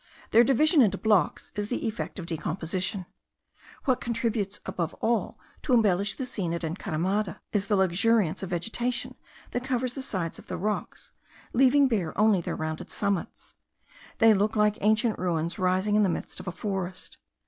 Their division into blocks is the effect of decomposition. What contributes above all to embellish the scene at Encaramada is the luxuriance of vegetation that covers the sides of the rocks, leaving bare only their rounded summits. They look like ancient ruins rising in the midst of a forest.